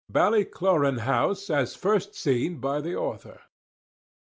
BALLYCLORAN HOUSE AS FIRST SEEN BY THE AUTHOR.